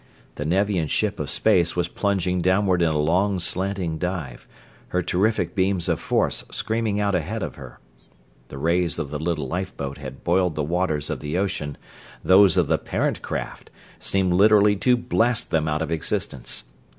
The Nevian ship of space was plunging downward in a long, slanting dive, her terrific beams of force screaming out ahead of her. The rays of the little lifeboat had boiled the waters of the ocean; those of the parent craft seemed literally to blast them out of existence.